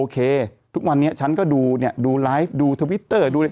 สถาน้อยลง